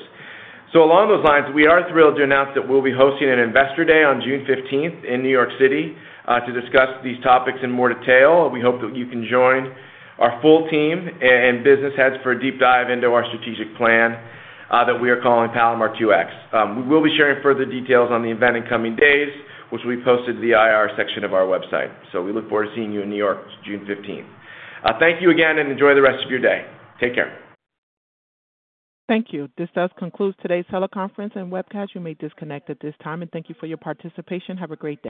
Along those lines, we are thrilled to announce that we'll be hosting an Investor Day on June fifteenth in New York City, to discuss these topics in more detail. We hope that you can join our full team and business heads for a deep dive into our strategic plan, that we are calling Palomar 2X. We will be sharing further details on the event in coming days, which will be posted to the IR section of our website. We look forward to seeing you in New York, June 15th. Thank you again and enjoy the rest of your day. Take care. Thank you. This does conclude today's teleconference and webcast. You may disconnect at this time, and thank you for your participation. Have a great day.